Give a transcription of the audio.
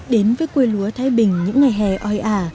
đến với quê lúa thái bình những ngày hè oi ả